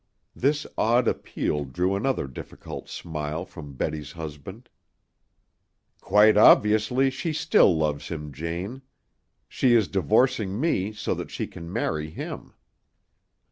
This odd appeal drew another difficult smile from Betty's husband. "Quite obviously she still loves him, Jane. She is divorcing me so that she can marry him."